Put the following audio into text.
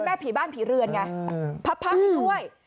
เป็นแม่ผีบ้านผีเรือนไงพับพักด้วย